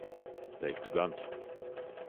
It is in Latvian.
Teiktu gan.